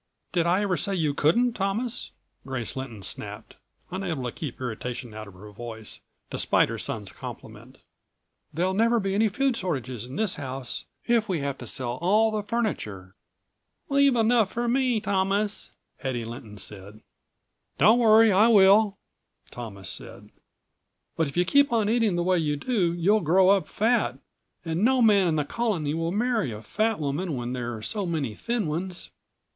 "Did I ever say you couldn't, Thomas?" Grace Lynton snapped, unable to keep irritation out of her voice, despite her son's compliment. "There'll never be any food shortages in this house, if we have to sell all of the furniture." "Leave enough for me, Thomas," Hedy Lynton said. "Don't worry, I will," Thomas said. "But if you keep on eating the way you do you'll grow up fat, and no man in the Colony will marry a fat woman when there are so many thin ones."